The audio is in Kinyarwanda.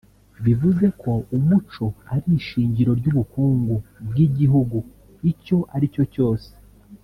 bivuze ko umuco ari ishingiro ry’ubukungu bw’igihugu icyo aricyo cyose